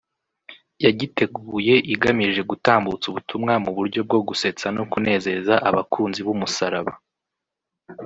yagiteguye igamije gutambutsa ubutumwa mu buryo bwo gusetsa no kunezeza abakunzi b’umusaraba